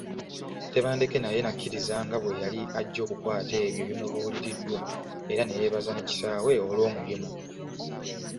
Tebandeke naye nakkiriza nga bwe yali ajja okukwata ebyo ebimubuuliriddwa era neyeebaza ne kitaawe olw’omulimu.